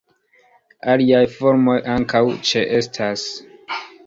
Aliaj formoj ankaŭ ĉeestas.